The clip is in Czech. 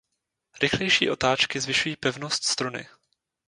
Rychlejší otáčky zvyšují pevnost struny.